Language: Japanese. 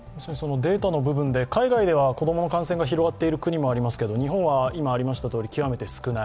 海外では子供の感染が広がってる国もありますけど日本は今ありましたとおり極めて少ない。